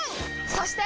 そして！